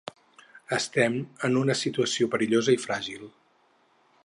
Estem en una situació perillosa i fràgil.